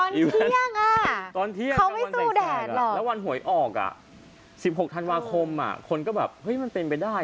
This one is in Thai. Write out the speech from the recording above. เขาไม่สู้แดดหรอกตอนเที่ยงเป็นวันใส่แสงแล้ววันหวยออก๑๖ธันวาคมคนก็แบบมันเป็นไปได้